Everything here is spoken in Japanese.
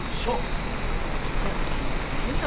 冗談じゃないよ。